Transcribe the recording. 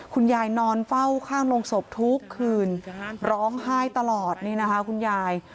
นอนเฝ้าข้างโรงศพทุกคืนร้องไห้ตลอดนี่นะคะคุณยาย